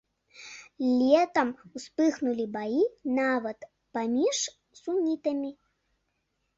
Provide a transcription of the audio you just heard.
Летам успыхнулі баі нават паміж сунітамі.